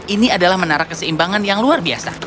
ini adalah menara keseimbangan yang luar biasa